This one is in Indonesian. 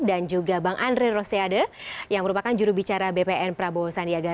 dan juga bang andre rosiade yang merupakan jurubicara bpn prabowo sandiaga